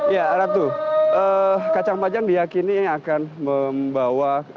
ya ratu kacang panjang diakini akan membawa